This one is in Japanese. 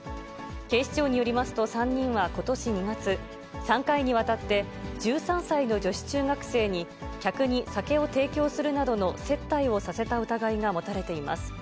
警視庁によりますと、３人はことし２月、３回にわたって、１３歳の女子中学生に、客に酒を提供するなどの接待をさせた疑いが持たれています。